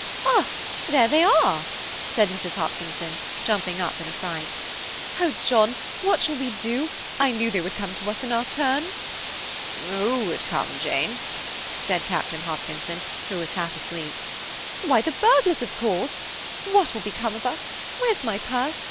"Ah, there they are," said Mrs. Hopkinson, jumping up in a fright. "Oh, John, what shall we do? I knew they would come to us in our turn." "Who would come, Jane?" said Captain Hopkinson, who was half asleep. "Why, the burglars, of course! What will become of us! Where's my purse?